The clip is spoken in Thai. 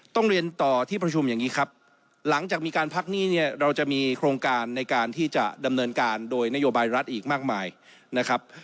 ต้องเรียนต่อที่ประชุมอย่างนี้ครับหลังจากมีการพักหนี้เนี่ยเราจะมีโครงการในการที่จะดำเนินการโดยนโยบายรัฐอีกมากมายนะครับ